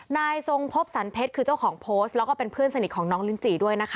นายทรงพบสันเพชรคือเจ้าของโพสต์แล้วก็เป็นเพื่อนสนิทของน้องลินจีด้วยนะคะ